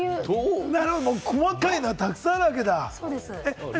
細かいのはたくさんあるわけだ。